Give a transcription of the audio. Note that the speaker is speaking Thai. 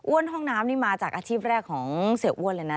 ห้องน้ำนี่มาจากอาชีพแรกของเสียอ้วนเลยนะ